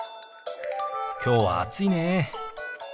きょうは暑いね。